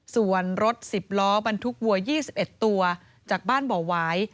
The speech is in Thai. ส่วนรถ๑๐ล้อบรรทุกวัว๒๑ตัวจากบ้านบ่อหวาย